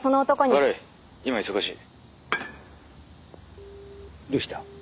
（打どうした？